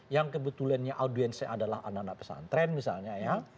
yang kebetulannya audiensnya adalah anak anak pesantren misalnya ya